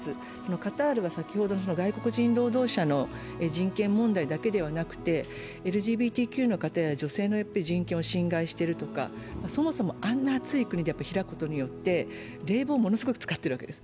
カタールは外国人労働者の人権問題だけではなくてＬＧＢＴＱや女性の人権を抑圧しているとかそもそもあんな暑い国で開くことによって冷房をものすごく使っているわけです。